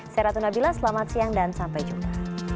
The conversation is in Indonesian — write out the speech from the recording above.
saya ratna bila selamat siang dan sampai jumpa